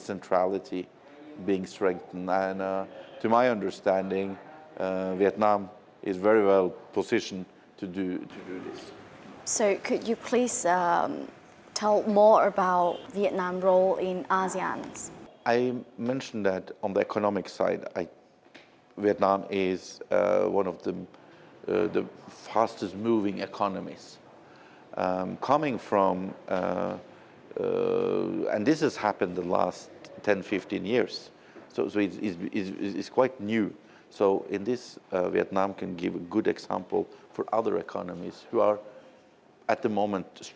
chúng tôi rất vui vẻ khi cùng với việt nam và asean tìm hiểu về cách chúng tôi dựa trên kinh nghiệm của chúng tôi trong việc giải quyết các vấn đề không pháp luật